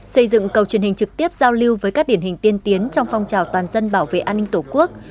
xây dựng cầu truyền hình trực tiếp giao lưu với các điển hình tiên tiến trong phong trào toàn dân bảo vệ an ninh tổ quốc